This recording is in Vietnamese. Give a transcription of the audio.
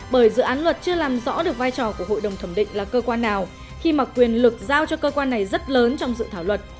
bởi dự án luật chưa làm rõ được vai trò của hội đồng thẩm định là cơ quan nào khi mà quyền lực giao cho cơ quan này rất lớn trong dự thảo luật